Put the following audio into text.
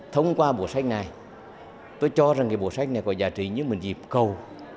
thông qua bộ sách này tôi cho rằng cái bộ sách này có giá trị như một dịp cầu